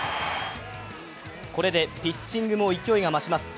これでピッチングも勢いが増します。